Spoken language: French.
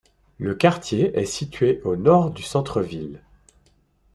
Le quartier est situé au Nord du centre-ville.